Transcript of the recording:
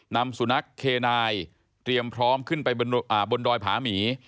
นำสุนัขเคนายเตรียมพร้อมขึ้นไปบนดอยผาหมี